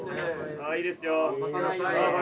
ああいいですよ。